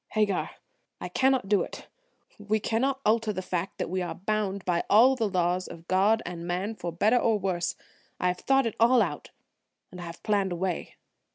"Hagar, I cannot do it. We cannot alter the fact that we are bound by all the laws of God and man for better or worse. I have thought it all out, and I have planned a way."